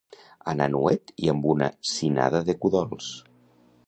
Anar nuet i amb una sinada de cudols.